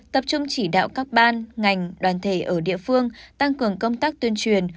tập trung chỉ đạo các ban ngành đoàn thể ở địa phương tăng cường công tác tuyên truyền